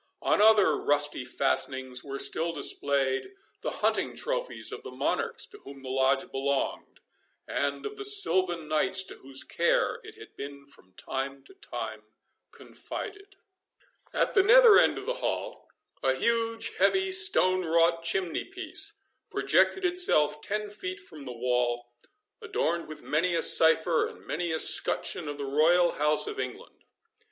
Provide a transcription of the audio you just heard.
On other rusty fastenings were still displayed the hunting trophies of the monarchs to whom the Lodge belonged, and of the silvan knights to whose care it had been from time to time confided. At the nether end of the hall, a huge, heavy, stone wrought chimney piece projected itself ten feet from the wall, adorned with many a cipher, and many a scutcheon of the Royal House of England.